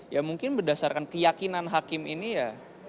ya mungkin berdasarkan keyakinan hakim ini ya